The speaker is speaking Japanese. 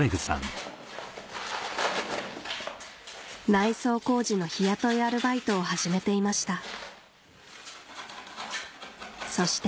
内装工事の日雇いアルバイトを始めていましたそして